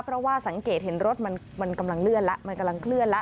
เพราะว่าสังเกตเห็นรถมันกำลังเลื่อนละ